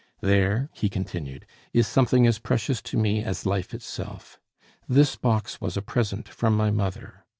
"There," he continued, "is something as precious to me as life itself. This box was a present from my mother.